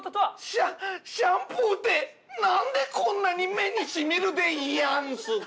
「シャシャンプーってなんでこんなに目にしみるでやんすか？」